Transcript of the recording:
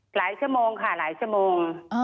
ชั่วโมงค่ะหลายชั่วโมง